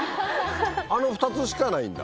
あの２つしかないんだ。